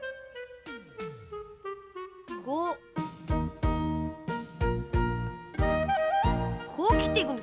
こうこうきっていくんですか？